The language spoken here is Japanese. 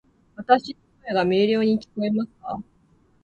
わたし（の声）が明瞭に聞こえますか？